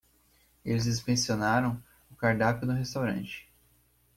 Eles inspecionaram o cardápio no restaurante.